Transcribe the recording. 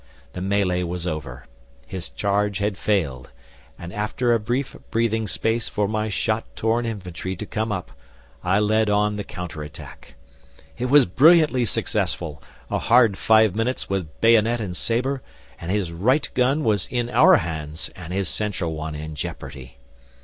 The melee was over. His charge had failed, and, after a brief breathing space for my shot torn infantry to come up, I led on the counter attack. It was brilliantly successful; a hard five minutes with bayonet and sabre, and his right gun was in our hands and his central one in jeopardy.